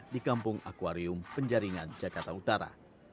di kampung akwarium penjaringan jakarta utara